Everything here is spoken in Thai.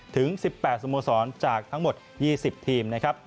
ถึง๑๘สมสรรค์จากทั้งหมด๒๐ทีม